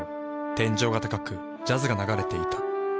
天井が高くジャズが流れていた。